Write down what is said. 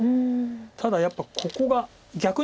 ただやっぱここが逆に。